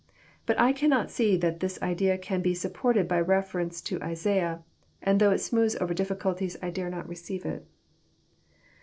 But I cannot see that this idea can be supported by ref erence to Isaiah, and though It smooths over difficulties, I dare not receive it.